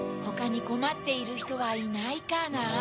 ほかにこまっているひとはいないかな？